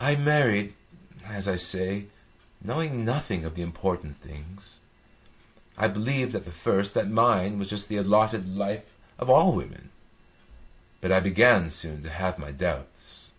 "I married, as I say, knowing nothing of the important things. I believed at the first that mine was just the allotted life of all women. But I began soon to have my doubts.